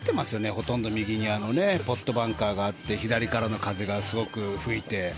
ほとんど右にポットバンカーがあって左からの風がすごく吹いて。